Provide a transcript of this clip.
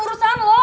bukan urusan lo